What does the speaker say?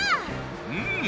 うん。